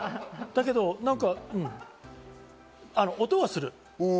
だけど音はする。